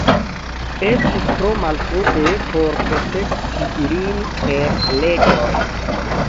Estis tro malfrue por protekti ilin per leĝoj.